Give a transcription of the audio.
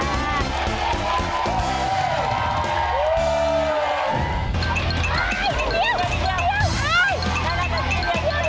เยี่ยม